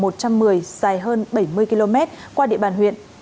dài hơn bảy mươi km qua địa bàn huyện